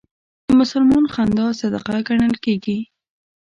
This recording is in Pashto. د مسلمان خندا صدقه ګڼل کېږي.